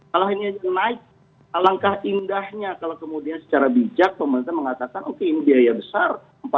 kalau ini naik alangkah indahnya kalau kemudian secara bijak pemerintah mengatakan oke ini biaya besar